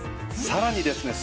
さらにですね